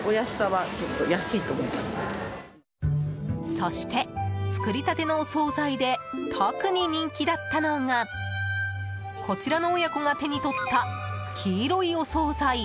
そして、作り立てのお総菜で特に人気だったのがこちらの親子が手に取った黄色いお総菜。